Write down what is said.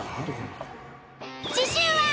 次週は。